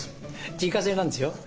自家製なんですよ。